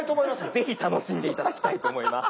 是非楽しんで頂きたいと思います。